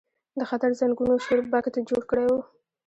د خطر زنګونو شور بګت جوړ کړی و.